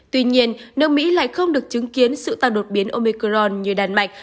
tuy nhiên nước mỹ lại không được chứng kiến sự tăng đột biến omicron như đan mạch